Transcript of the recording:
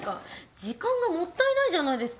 時間がもったいないじゃないですか。